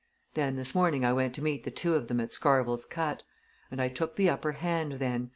Then this morning I went to meet the two of them at Scarvell's Cut. And I took the upper hand then!